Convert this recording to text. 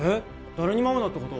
誰にも会うなってこと？